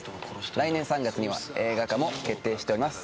来年３月には映画化も決定してます